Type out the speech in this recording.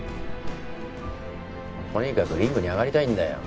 とにかくリングに上がりたいんだよ。